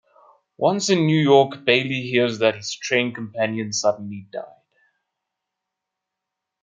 Once in New York, Bailey hears that his train companion suddenly died.